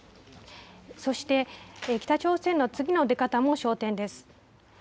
そして、北朝鮮の次の出方も焦点です。